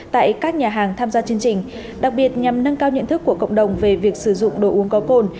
tại các nhà hàng tham gia chương trình đặc biệt nhằm nâng cao nhận thức của cộng đồng về việc sử dụng đồ uống có cồn